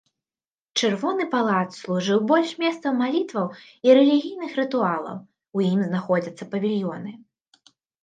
Чырвоны палац служыў больш месцам малітваў і рэлігійных рытуалаў, у ім знаходзяцца павільёны.